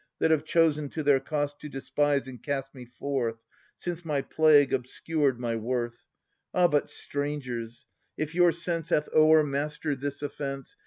That have chosen, to their cost. To despise and cast me forth. Since my plague obscured my worth ! Ah, but, strangers, if your sense Hath 0' er mastered this offence.